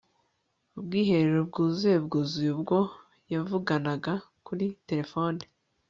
ubwiherero bwuzuye bwuzuye ubwo yavuganaga kuri terefone